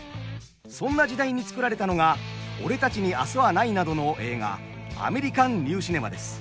そんな時代に作られたのが「俺たちに明日はない」などの映画アメリカンニューシネマです。